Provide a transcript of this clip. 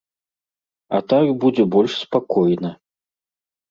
А так будзе больш спакойна.